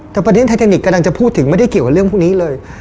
แต่ประเด็นไทเทคนิคกำลังจะพูดถึงไม่ได้เกี่ยวกับเรื่องพวกนี้เลย